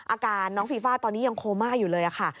อาการน้องฟีฟ่าตอนนี้ยังโคม่าอยู่เลยค่ะ